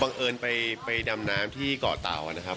เอิญไปดำน้ำที่เกาะเตานะครับ